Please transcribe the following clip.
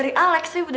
kau mau kemana